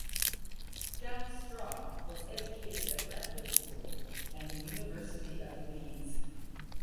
Jack Straw was educated at Brentwood School and the University of Leeds.